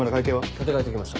立て替えときました。